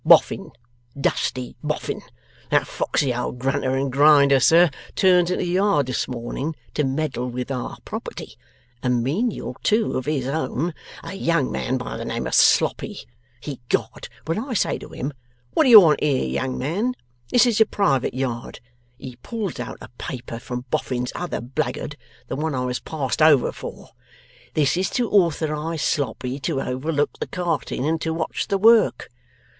'Boffin. Dusty Boffin. That foxey old grunter and grinder, sir, turns into the yard this morning, to meddle with our property, a menial tool of his own, a young man by the name of Sloppy. Ecod, when I say to him, "What do you want here, young man? This is a private yard," he pulls out a paper from Boffin's other blackguard, the one I was passed over for. "This is to authorize Sloppy to overlook the carting and to watch the work."